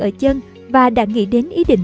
ở chân và đã nghĩ đến ý định